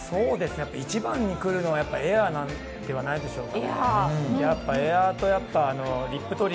一番に来るのはエアではないでしょうか。